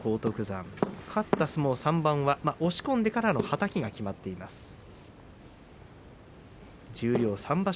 篤山勝った相撲３番は押し込んでからのはたきがきまっています。